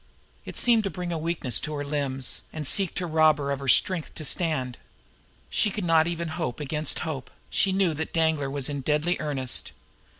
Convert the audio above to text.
It seemed to bring a weakness to her limbs, and seek to rob her of the strength to stand. She could not even hope against hope; she knew that Danglar was in deadly earnest.